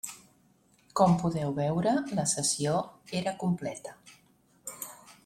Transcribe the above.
Com podeu veure, la sessió era completa.